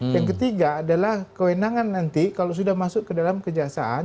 yang ketiga adalah kewenangan nanti kalau sudah masuk ke dalam kejaksaan